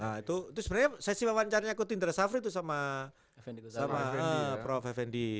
nah itu sebenarnya sesi wawancaranya aku tindra safri itu sama prof effendi